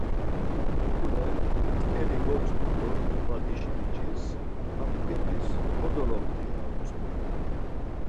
Uǩule t̆ǩebi kogotzǩu do badişi biç̌is, ham t̆ǩebis kodoloxti ya utzu.